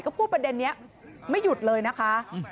ก็พูดประเด็นนี้ไม่หยุดเลยนะคะ